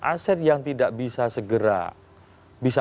aset yang tidak bisa segera bisa